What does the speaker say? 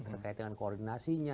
terkait dengan koordinasinya